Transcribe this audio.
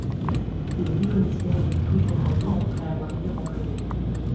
Il est décommissionné le puis ferraillé après avoir été renfloué.